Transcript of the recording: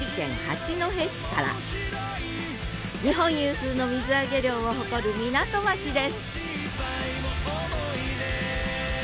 日本有数の水揚げ量を誇る港町です